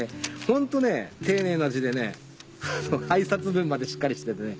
ホントね丁寧な字でね挨拶文までしっかりしててね。